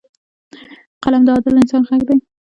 قلم د عادل انسان غږ دی